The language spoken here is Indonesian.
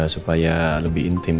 supaya lebih intim